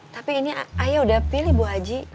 tapi ini ayo udah pilih bu haji